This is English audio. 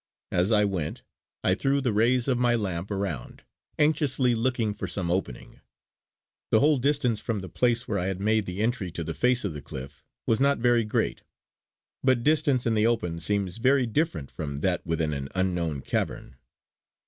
As I went, I threw the rays of my lamp around, anxiously looking for some opening. The whole distance from the place where I had made the entry to the face of the cliff was not very great; but distance in the open seems very different from that within an unknown cavern.